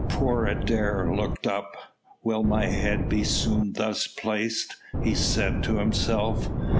Poor Adair looked up. "Will my head be soon thus placed?" he said to himself.